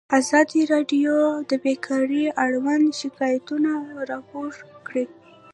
ازادي راډیو د بیکاري اړوند شکایتونه راپور کړي.